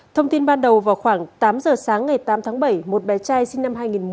thông tin ban đầu vào khoảng tám giờ sáng ngày tám tháng bảy một bé trai sinh năm hai nghìn một mươi